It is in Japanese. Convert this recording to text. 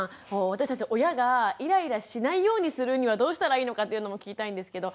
私たち親がイライラしないようにするにはどうしたらいいのかっていうのも聞きたいんですけど。